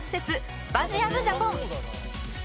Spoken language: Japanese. スパジアムジャポン。